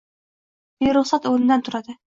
beruxsat o‘rnidan turadi